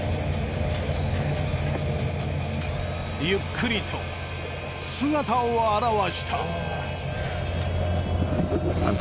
ゆっくりと姿を現した。